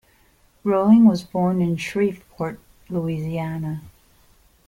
Rolling was born in Shreveport, Louisiana.